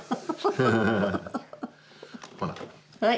はい。